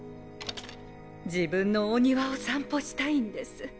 自分のお庭を散歩したいんです。